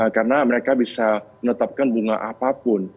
karena mereka bisa menetapkan bunga apapun